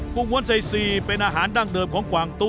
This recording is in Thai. ปรุงวนไซศีเป็นอาหารดั้งเดิมของหุวัน